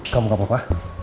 kamu gak apa apa